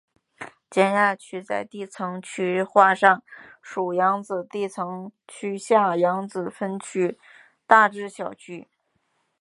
江夏区在地层区划上属扬子地层区下扬子分区大冶小区。